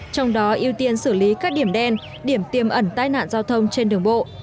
trong đó ưu tiên xử lý các điểm đen điểm tiềm ẩn tai nạn giao thông trên đường bộ